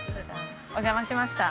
お邪魔しました。